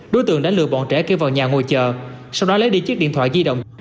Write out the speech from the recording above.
đối tượng đã lừa bọn trẻ kêu vào nhà ngồi chờ sau đó lấy đi chiếc điện thoại di động